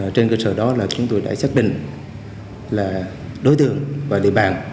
trên cơ sở đó là chúng tôi đã xác định là đối tượng và địa bàn